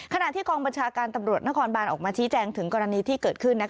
ขณะที่กองบัญชาการตำรวจนครบานออกมาชี้แจงถึงกรณีที่เกิดขึ้น